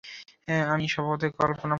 আমি স্বভাবতই কল্পনাপ্রবণ ও কর্মবিমুখ।